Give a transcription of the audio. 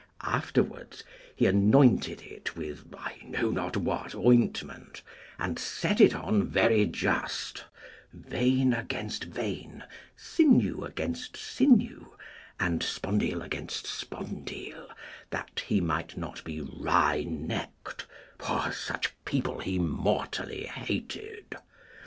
Afterwards he anointed it with I know not what ointment, and set it on very just, vein against vein, sinew against sinew, and spondyle against spondyle, that he might not be wry necked for such people he mortally hated.